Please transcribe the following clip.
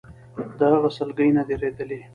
د هغه سلګۍ نه درېدلې.